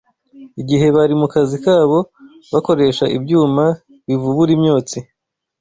igihe bari mu kazi kabo bakoresha ibyuma bivubura imyotsi